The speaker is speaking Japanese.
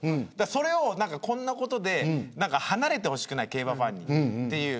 それをこんなことで離れてほしくない競馬ファンに、という。